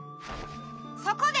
そこで！